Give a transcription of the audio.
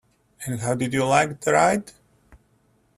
And how did you like the ride?